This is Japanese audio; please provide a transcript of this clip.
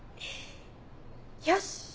よし！